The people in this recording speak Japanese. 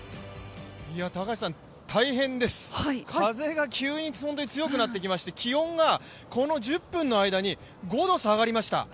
大変です、風が急に、本当に強くなってきまして気温が、この１０分の間に５度下がりました。